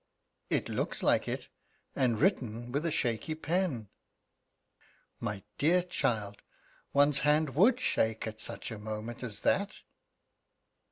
"It looks like it and written with a shaky pen." "My dear child, one's hand would shake at such a moment as that."